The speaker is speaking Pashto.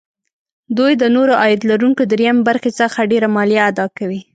دوی د نورو عاید لرونکو دریم برخې څخه ډېره مالیه اداکوي